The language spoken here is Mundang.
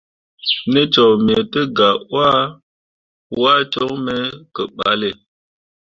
Ne cok me te gah wah, waa coŋ me ke balle.